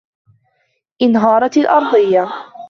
انهارت الأرضية.